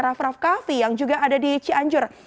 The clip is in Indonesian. raff raff kaffi yang juga ada di cianjur